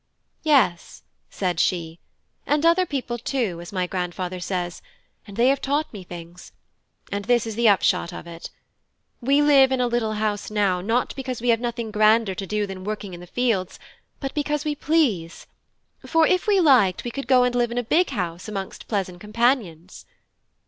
"Yes," said she, "and other people too, as my grandfather says, and they have taught me things: and this is the upshot of it. We live in a little house now, not because we have nothing grander to do than working in the fields, but because we please; for if we liked, we could go and live in a big house amongst pleasant companions."